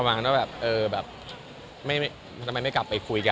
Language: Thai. บางคนก็ก็ไม่อยากพูด